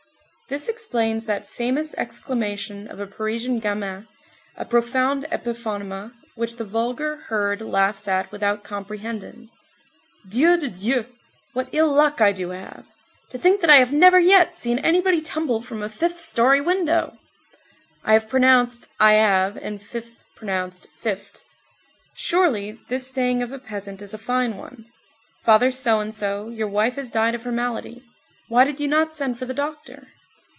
This explains that famous exclamation of a Parisian gamin, a profound epiphonema, which the vulgar herd laughs at without comprehending,— _Dieu de Dieu! What ill luck I do have! to think that I have never yet seen anybody tumble from a fifth story window! _ (I have pronounced I'ave and fifth pronounced fift'.) Surely, this saying of a peasant is a fine one: "Father So and So, your wife has died of her malady; why did you not send for the doctor?"